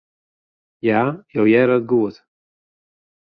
Ja, jo hearre it goed.